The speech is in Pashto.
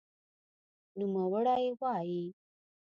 نوموړی وايي